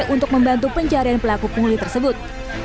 untuk membantu pencarian pelaku pungli tersebut